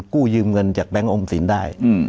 กู้ยืมเงินจากแบงค์ออมสินได้